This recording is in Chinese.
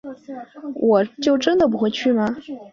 我就真的不会去吗